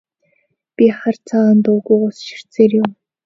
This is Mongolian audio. Би хар цагаан дуугүй ус ширтсээр явав.